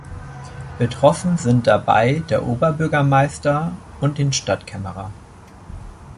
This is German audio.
Betroffen sind dabei der Oberbürgermeister und den Stadtkämmerer.